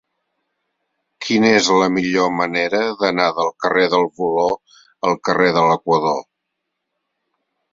Quina és la millor manera d'anar del carrer del Voló al carrer de l'Equador?